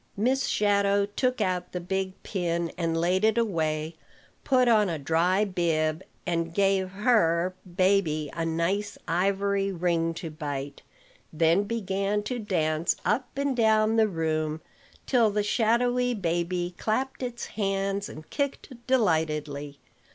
Miss Shadow took out the big pin and laid it away, put on a dry bib, and gave her baby a nice ivory ring to bite; then began to dance up and down the room, till the shadowy baby clapped its hands and kicked delightedly.